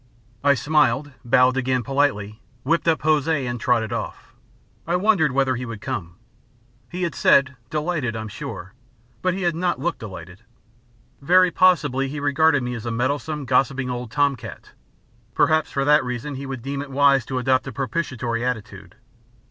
I smiled, bowed again politely, whipped up Hosea and trotted off. I wondered whether he would come. He had said: "Delighted, I'm sure," but he had not looked delighted. Very possibly he regarded me as a meddlesome, gossiping old tom cat. Perhaps for that reason he would deem it wise to adopt a propitiatory attitude.